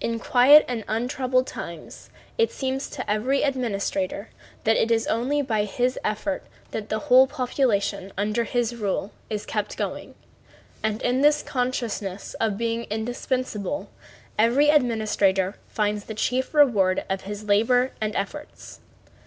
In quiet and untroubled times it seems to every administrator that it is only by his efforts that the whole population under his rule is kept going, and in this consciousness of being indispensable every administrator finds the chief reward of his labor and efforts.